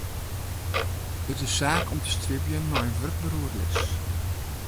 It is saak om te stribjen nei in wurkber oerlis.